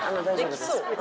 できそう。